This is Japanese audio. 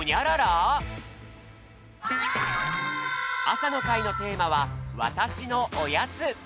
朝の会のテーマは「わたしのおやつ」